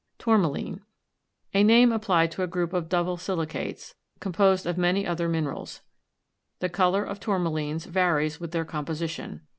TOURMALINE. A name applied to a group of double silicates, composed of many other minerals. The color of tourmalines varies with their composition.